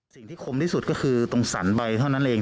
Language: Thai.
คมที่สุดก็คือตรงสรรใบเท่านั้นเอง